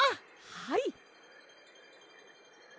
はい！